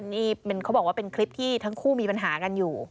นี่เขาบอกว่าเป็นคลิปที่ทั้งคู่มีปัญหากันอยู่